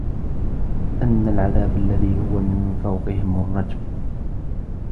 أَنَّ الْعَذَابَ الَّذِي هُوَ مِنْ فَوْقِهِمْ الرَّجْمُ